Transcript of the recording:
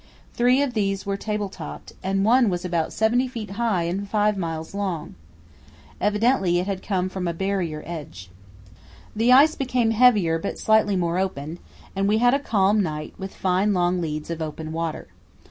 Three of these were table topped, and one was about 70 ft high and 5 miles long. Evidently it had come from a barrier edge. The ice became heavier but slightly more open, and we had a calm night with fine long leads of open water.